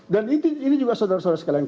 dan ini juga saudara saudara sekalian